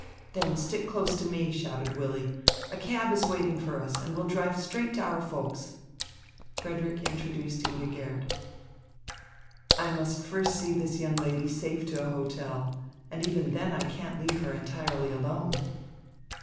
"Then stick close to me," shouted Willy. "A cab is waiting for us, and we'll drive straight to our folks." Frederick introduced Ingigerd. "I must first see this young lady safe to a hotel. And even then I can't leave her entirely alone."